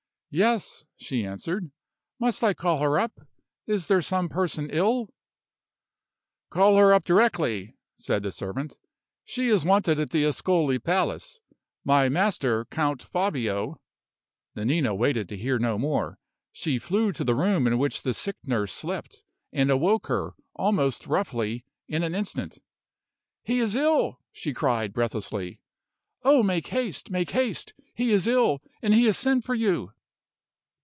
"Yes," she answered. "Must I call her up? Is there some person ill?" "Call her up directly," said the servant; "she is wanted at the Ascoli Palace. My master, Count Fabio " Nanina waited to hear no more. She flew to the room in which the sick nurse slept, and awoke her, almost roughly, in an instant. "He is ill!" she cried, breathlessly. "Oh, make haste, make haste! He is ill, and he has sent for you!"